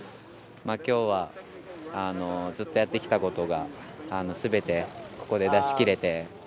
今日はずっとやってきたことをすべてここで出し切れて。